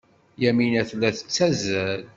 Yamina tella tettazzal.